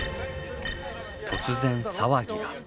突然騒ぎが。